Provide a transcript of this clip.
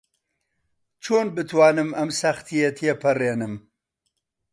چۆن بتوانم ئەم سەختییە تێپەڕێنم؟